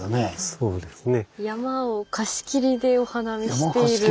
そうですね。